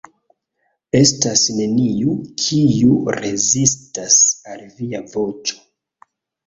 Estas neniu, kiu rezistas al Via voĉo.